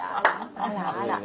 あらあら。